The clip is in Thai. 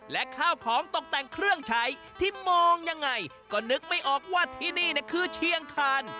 และข้าวของตกแต่งเครื่องใช้ที่มองยังไงก็นึกไม่ออกว่าที่นี่คือเชียงคาน